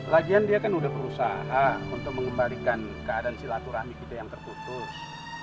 lagian dia kan sudah berusaha untuk mengembalikan keadaan silaturahmi kita yang tertutup